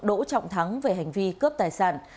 đỗ trọng thắng về hành vi cướp tài sản